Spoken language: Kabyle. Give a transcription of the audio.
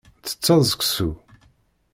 Ttetteḍ seksu?